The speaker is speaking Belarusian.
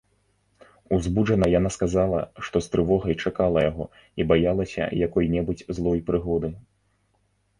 Узбуджана яна сказала, што з трывогай чакала яго і баялася якой-небудзь злой прыгоды.